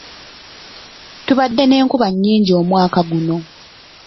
Tubadde n'enkuba nnyingi omwaka guno.